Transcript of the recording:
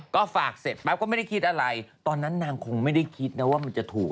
ก็ฝากเสร็จปั๊บก็ไม่ได้คิดอะไรตอนนั้นนางคงไม่ได้คิดนะว่ามันจะถูก